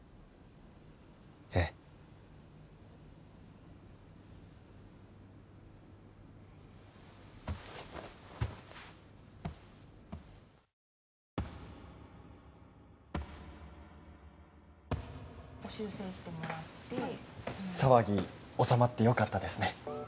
ええここ修正してもらって騒ぎ収まってよかったですね